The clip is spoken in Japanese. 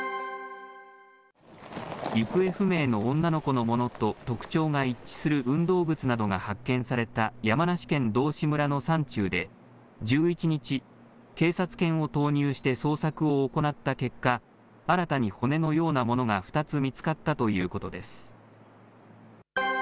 行方不明の女の子のものと特徴が一致する運動靴などが発見された山梨県道志村の山中で、１１日、警察犬を投入して捜索を行った結果、新たに骨のようなものが２つ見つかったということです。